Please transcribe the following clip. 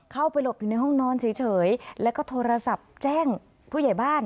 หลบอยู่ในห้องนอนเฉยแล้วก็โทรศัพท์แจ้งผู้ใหญ่บ้าน